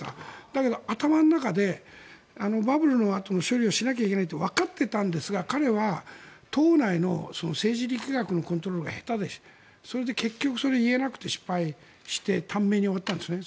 だけど、頭の中でバブルのあとの処理をしないといけないとわかっていたんですが彼は党内の政治力学のコントロールが下手でそれで結局言えなくて失敗して短命に終わったんですね。